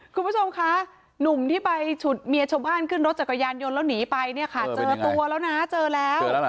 คุณผู้ชมคะ